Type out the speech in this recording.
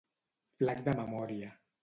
Flac de memòria.